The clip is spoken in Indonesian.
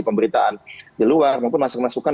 pemberitaan di luar maupun masukan masukan